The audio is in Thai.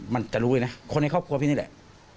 มันจะรู้ด้วยนะคนในครอบครัวพี่นี่แหละ